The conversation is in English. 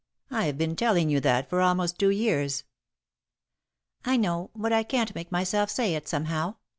I've been telling you that for almost two years." "I know, but I can't make myself say it, somehow.